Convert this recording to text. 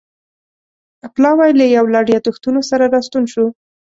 پلاوی له یو لړ یادښتونو سره راستون شو.